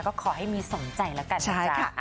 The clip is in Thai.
ก็ขอให้มีสมใจแล้วกันนะจ๊ะ